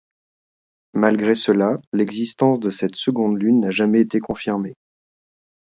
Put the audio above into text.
Malgré cela, l'existence de cette seconde lune n'a jamais été confirmée.